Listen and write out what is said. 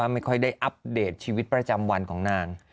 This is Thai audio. ไม่ค่อยได้อัปเดตชีวิตประจำวันของนาง